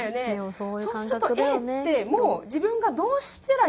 そういう感覚だよね。